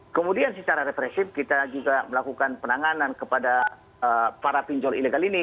kemudian secara represif kita juga melakukan penanganan kepada para pinjol ilegal ini